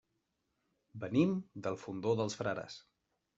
Venim del Fondó dels Frares.